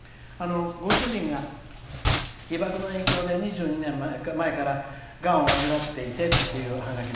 ご主人が被ばくの影響で２２年前からがんを患っていてというおハガキ。